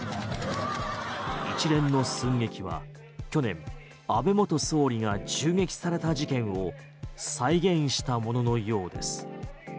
一連の寸劇は、去年安倍元総理が銃撃された事件を再現したもののようです。